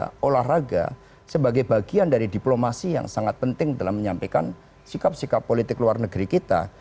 karena olahraga sebagai bagian dari diplomasi yang sangat penting dalam menyampaikan sikap sikap politik luar negeri kita